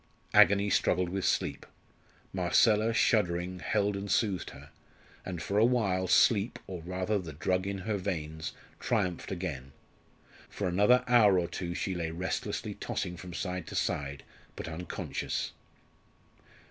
Agony struggled with sleep. Marcella, shuddering, held and soothed her, and for a while sleep, or rather the drug in her veins, triumphed again. For another hour or two she lay restlessly tossing from side to side, but unconscious.